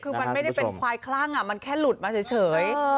คือมันไม่ได้เป็นควายคลั่งมันแค่หลุดมาเฉย